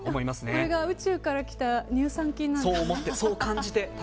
これが宇宙から来た乳酸菌なんですね。